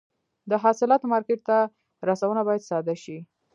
د حاصلاتو مارکېټ ته رسونه باید ساده شي.